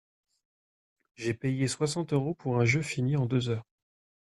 J'ai payé soixante euros pour un jeu fini en deux heures.